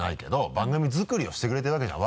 番組づくりをしてくれてるわけじゃん。